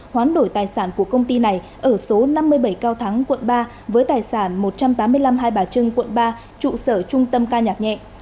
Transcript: hoán đổi tài sản của công ty này ở số năm mươi bảy cao thắng quận ba với tài sản một trăm tám mươi năm hai bà trưng quận ba trụ sở trung tâm ca nhạc nhẹ